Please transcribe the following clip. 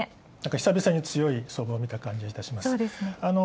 久々に強い相場を見た感じがします。